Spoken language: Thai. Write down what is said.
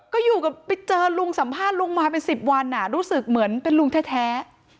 ก็อยู่กับไปเจอลุงสัมภาษณ์ลุงมาเป็น๑๐วันรู้สึกเหมือนเป็นลุงแท้